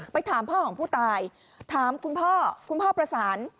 ถามพ่อของผู้ตายถามคุณพ่อคุณพ่อประสาน